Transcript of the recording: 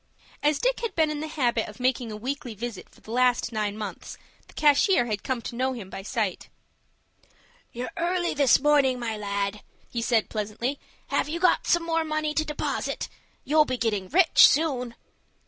As Dick had been in the habit of making a weekly visit for the last nine months, the cashier had come to know him by sight. "You're early, this morning, my lad," he said, pleasantly. "Have you got some more money to deposit? You'll be getting rich, soon."